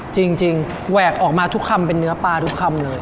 แหวกออกมาทุกคำเป็นเนื้อปลาทุกคำเลย